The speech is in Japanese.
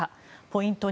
ポイント